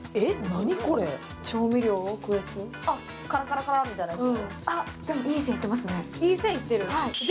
カラカラカラみたいなやつ？